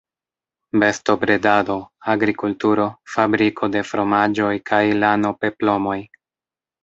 Bestobredado, agrikulturo, fabriko de fromaĝoj kaj lano-peplomoj.